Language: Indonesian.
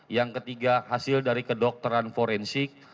yang ketiga hasil dari kedokteran forensik